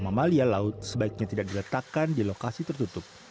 mamalia laut sebaiknya tidak diletakkan di lokasi tertutup